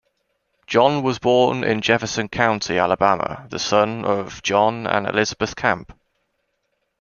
John was born in Jefferson County, Alabama, the son of John and Elizabeth Camp.